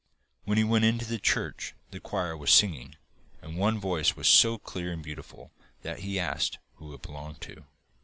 When he went into the church the choir was singing, and one voice was so clear and beautiful, that he asked who it belonged to.